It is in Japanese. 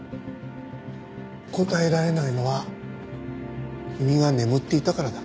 答えられないのは君が眠っていたからだ。